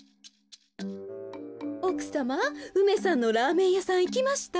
おくさま梅さんのラーメンやさんいきました？